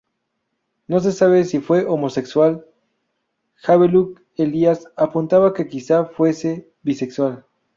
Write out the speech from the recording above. No se sabe si fue homosexual: Havelock Ellis apuntaba que quizá fuese bisexual.